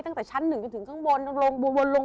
ตั้งแต่ชั้นหนึ่งจนถึงข้างบน